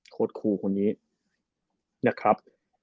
โคตรคุลคนนี้นะครับ